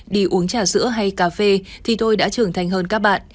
đi uống trà sữa hay cà phê thì tôi đã trưởng thành hơn các bạn